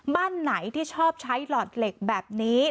บ้านไหนที่ชอบใช้หลอดเหล็กแบบนี้